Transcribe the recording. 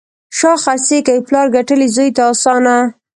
شا خرڅي کوي: پلار ګټلي، زوی ته اسانه.